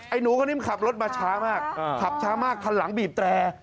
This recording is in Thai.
หนูคนนี้มันขับรถมาช้ามากขับช้ามากคันหลังบีบแตร